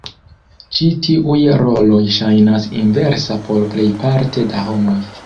Ĉi tiuj roloj ŝajnas inversa por plejparte da homoj.